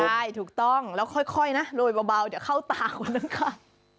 ใช่ถูกต้องแล้วค่อยนะโรยเบาเดี๋ยวเข้าตาคนนั้นค่ะ